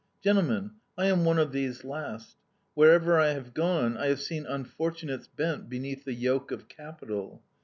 "Gentlemen, I am one of these last. Wherever I have gone, I have seen unfortunates bent beneath the yoke of capital.